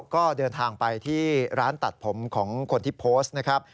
ก็เดินทางไปที่ร้านตัดผมของคนที่โพสต์นะครับ